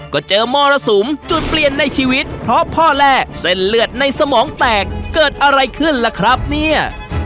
ก็เจอมรสุมจุดเปลี่ยนในชีวิตเพราะพ่อแร่เส้นเลือดในสมองแตกเกิดอะไรขึ้นล่ะครับเนี่ย